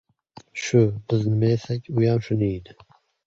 — Shu, biz nima yesak, uyam shuni yeydi.